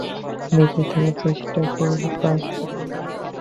বেঁচে থাকার চেষ্টা করবা শুধু।